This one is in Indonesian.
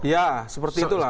ya seperti itulah